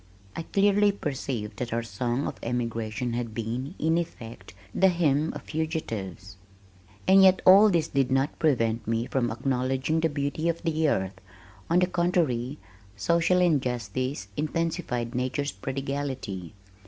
I clearly perceived that our Song of Emigration had been, in effect, the hymn of fugitives! And yet all this did not prevent me from acknowledging the beauty of the earth. On the contrary, social injustice intensified nature's prodigality.